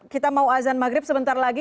kita mau azan maghrib sebentar lagi